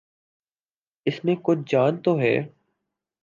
اس میں کچھ جان تو ہے۔